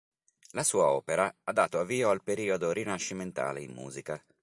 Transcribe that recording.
La sua opera ha dato avvio al periodo rinascimentale in musica.